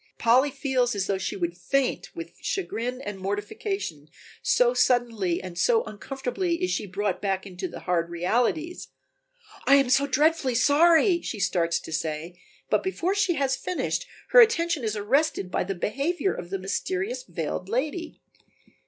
Polly feels as though she would faint with chagrin and mortification, so suddenly and so uncomfortably is she brought back to the hard realities. "I am so dreadfully sorry," she starts to say, but before she has finished, her attention is arrested by the behavior of the mysterious veiled lady.